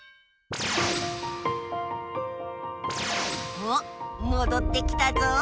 おっもどってきたぞ。